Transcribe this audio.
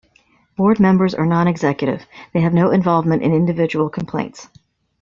Board members are non-executive - they have no involvement in individual complaints.